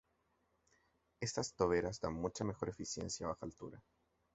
Estas toberas dan mucha mejor eficiencia a baja altura.